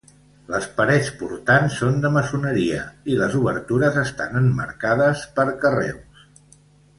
Les parets portants són de maçoneria i les obertures estan emmarcades per carreus.